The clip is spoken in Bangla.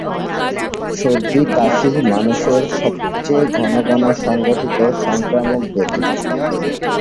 সর্দি-কাশি মানুষের মধ্যে সবচেয়ে ঘনঘন সংঘটিত সংক্রামক ব্যাধি।